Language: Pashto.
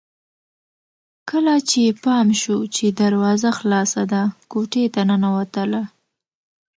کله چې يې پام شو چې دروازه خلاصه ده کوټې ته ننوتله